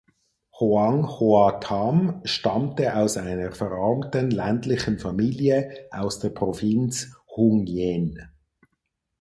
Hoang Hoa Tham stammte aus einer verarmten ländlichen Familie aus der Provinz Hung Yen.